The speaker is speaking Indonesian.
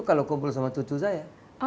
kalau kumpul sama cucu saya